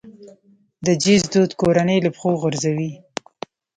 د جهیز دود کورنۍ له پښو غورځوي.